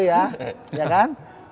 di samping bikin cohan gitu ya